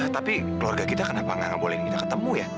tapi keluarga kita kenapa nggak boleh kita ketemu ya